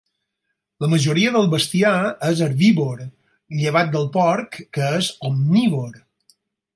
La majoria del bestiar és herbívor, llevat del porc que és omnívor.